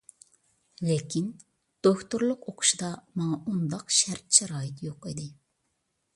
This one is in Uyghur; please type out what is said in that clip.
لېكىن، دوكتورلۇق ئوقۇشىدا ماڭا ئۇنداق شەرت-شارائىت يوق ئىدى.